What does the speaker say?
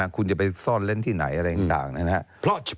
คุณจะไปซ่อนเล่นที่ไหนอะไรต่างนะครับ